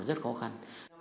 rất khó khăn